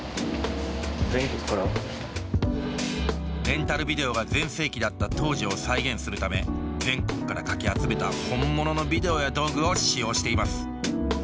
レンタルビデオが全盛期だった当時を再現するため全国からかき集めた本物のビデオや道具を使用しています。